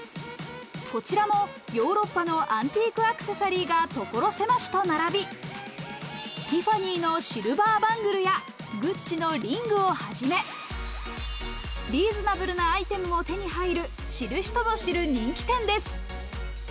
こちらもヨーロッパのアンティークアクセサリーが所狭しと並び、ティファニーのシルバーバングルや、グッチのリングをはじめ、リーズナブルなアイテムも手に入る、知る人ぞ知る人気店です。